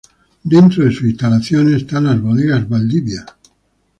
Dentro de sus instalaciones están las Bodegas Valdivia.